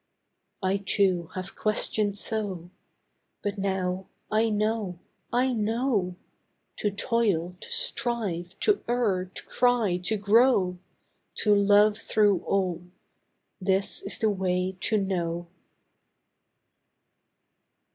I, too, have questioned so, But now I know, I know! To toil, to strive, to err, to cry, to grow, To love through all—this is the way to know.